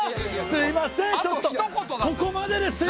すいません！